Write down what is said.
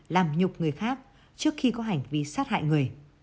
làm nhục người khác trước khi có hành vi sát hại người